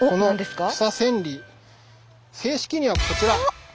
正式にはこちら。